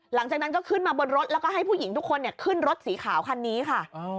หลังจากนั้นก็ขึ้นมาบนรถแล้วก็ให้ผู้หญิงทุกคนขึ้นรถสีขาวคันนี้ค่ะ